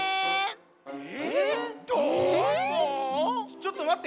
ちょっとまって。